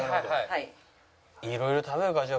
はい。